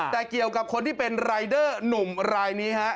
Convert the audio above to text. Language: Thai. แต่เกี่ยวกับคนที่เป็นรายเดอร์หนุ่มรายนี้ฮะ